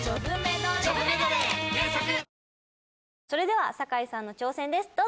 それでは酒井さんの挑戦です。